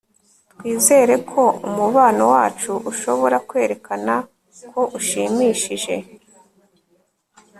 Twizere ko umubano wacu ushobora kwerekana ko ushimishije